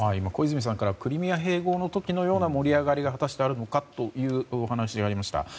小泉さんからクリミア併合の時のような盛り上がりがあるのかというお話がありました。